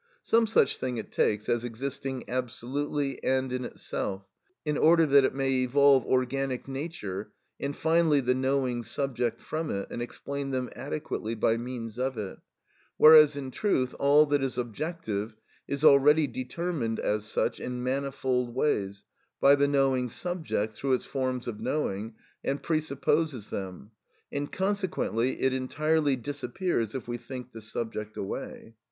Some such thing it takes, as existing absolutely and in itself, in order that it may evolve organic nature and finally the knowing subject from it, and explain them adequately by means of it; whereas in truth all that is objective is already determined as such in manifold ways by the knowing subject through its forms of knowing, and presupposes them; and consequently it entirely disappears if we think the subject away.